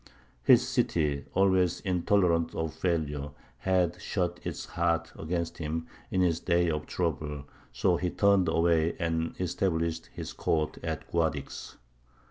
His city, always intolerant of failure, had shut its heart against him in his day of trouble, so he turned away and established his court at Guadix.